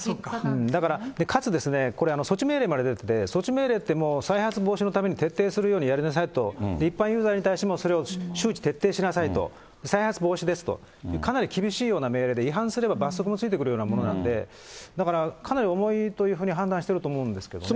だから、かつ、これ、措置命令まで出てて、措置命令って、もう、再発防止のために徹底するようにやりなさいと、一般ユーザーに対しても、それを周知徹底しなさいと、再発防止ですと、かなり厳しいような命令で違反すれば、罰則も付いてくるようなものなので、だからかなり重いというふうに判断してると思うんですけどね。